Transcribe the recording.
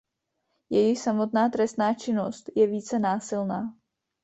Jejich samotná trestná činnost je více násilná.